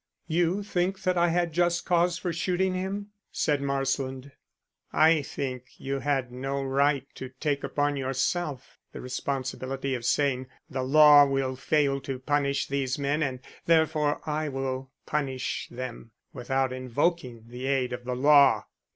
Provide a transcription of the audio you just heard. "You think that I had just cause for shooting him?" said Marsland. "I think you had no right to take upon yourself the responsibility of saying 'The law will fail to punish these men and therefore I will punish them without invoking the aid of the law!'"